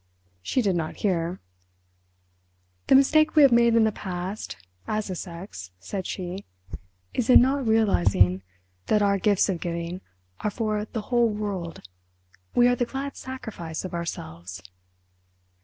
She did not hear. "The mistake we have made in the past—as a sex," said she, "is in not realising that our gifts of giving are for the whole world—we are the glad sacrifice of ourselves!"